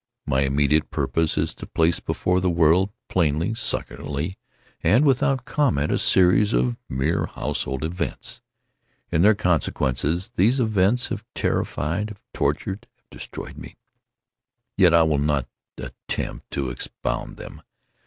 My immediate purpose is to place before the world, plainly, succinctly, and without comment, a series of mere household events. In their consequences, these events have terrified—have tortured—have destroyed me. Yet I will not attempt to expound them.